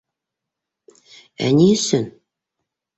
- Ә ни өсөн?